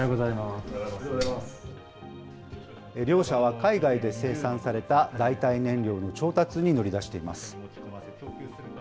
海外で生産された代替燃料の調達に乗り出しています。